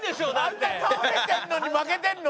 あんな倒れてるのに負けてるの？